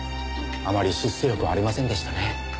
あまり出世欲はありませんでしたね。